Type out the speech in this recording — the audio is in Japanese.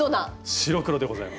白黒でございます。